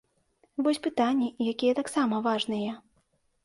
Вось пытанні, якія таксама важныя.